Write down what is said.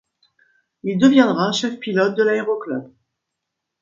Il deviendra chef pilote de l'aéro-club.